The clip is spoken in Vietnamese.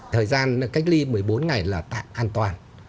thời gian cách ly một mươi bốn ngày là tạm an toàn